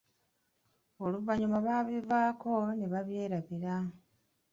Oluvannyuma baabivaako ne babyerabira.